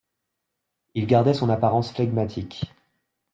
Il gardait son apparence flegmatique.